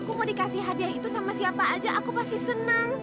aku mau dikasih hadiah itu sama siapa aja aku pasti senang